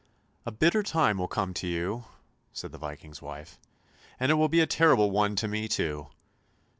" A bitter time will come to you," said the Viking's wife, " and it will be a terrible one to me too